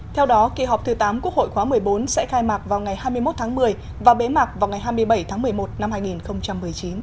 theo đó kỳ họp thứ tám quốc hội khóa một mươi bốn sẽ khai mạc vào ngày hai mươi một tháng một mươi và bế mạc vào ngày hai mươi bảy tháng một mươi một năm hai nghìn một mươi chín